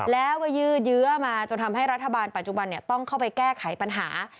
แล้วก็ยืดเยื้อมาจนทำให้รัฐบาลปัจจุบันต้องเข้าไปแก้ไขปัญหา